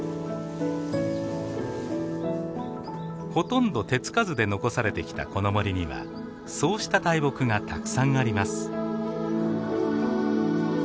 ほとんど手付かずで残されてきたこの森にはそうした大木がたくさんあります。